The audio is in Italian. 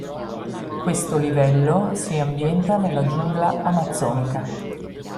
Questo livello si ambienta nella giungla amazzonica.